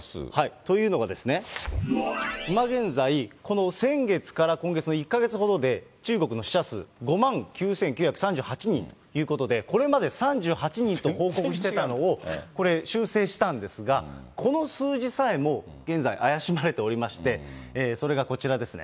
というのがですね、今現在、この先月から今月の１か月ほどで中国の死者数５万９９３８人ということで、これまで３８人と報告してたのを、これ、修正したんですが、この数字さえも現在、怪しまれておりまして、それがこちらですね。